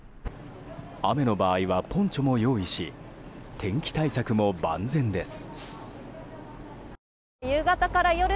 雨の場合はポンチョも用意し天気対策も万全です。